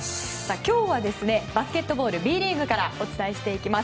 今日は、バスケットボールＢリーグからお伝えします。